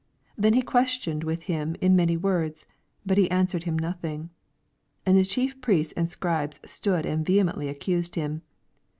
9 Then he questioned with him in many words, ; but he answered him nothing. 10 And the Chief Priests and Scribes stood and vehemently accused him.